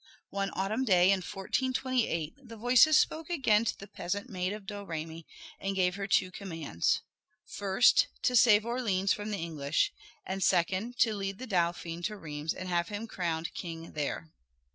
One autumn day in 1428 the voices spoke again to the peasant maid of Domremy and gave her two commands; first to save Orleans from the English, and second to lead the Dauphin to Rheims and have him crowned king there.